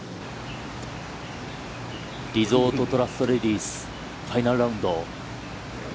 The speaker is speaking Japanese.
リゾートトラストレディス、ファイナルラウンド。